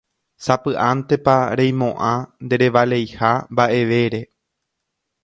Sapy'ántepa reimo'ã nderevaleiha mba'evére.